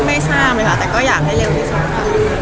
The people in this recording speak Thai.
ไม่ทราบเลยค่ะแต่ก็อยากให้เร็วที่สุดค่ะ